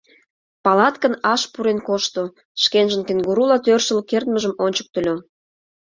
Палаткын аш пурен кошто, шкенжын кенгурула тӧрштыл кертмыжым ончыктыльо.